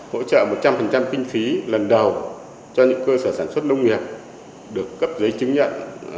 hỗ trợ một trăm linh kinh phí lần đầu cho những cơ sở sản xuất nông nghiệp được cấp giấy chứng nhận